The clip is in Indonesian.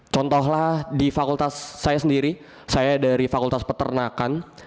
contohlah di fakultas saya sendiri saya dari fakultas peternakan